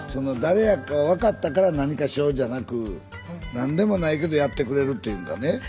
誰やかわかったから何かしようじゃなくなんでもないけどやってくれるっていうんがね。